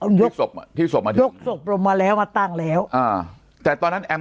ที่สวบที่สวบมาถึงยกสวบลงมาแล้วมาตั้งแล้วอ่าแต่ตอนนั้นแอม